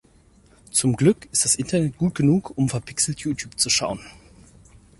Zum Glück ist das Internet gut genug um verpixelt YouTube zu schauen.